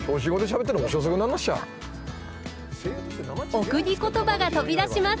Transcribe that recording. お国言葉が飛び出します！